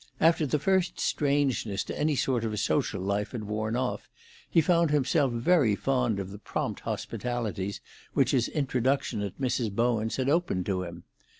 After the first strangeness to any sort of social life had worn off, he found himself very fond of the prompt hospitalities which his introduction at Mrs. Bowen's had opened to him.